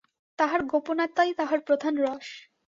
তাহার গোপনতাই তাহার প্রধান রস।